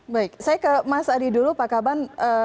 baik saya ke mas adi dulu pak kaban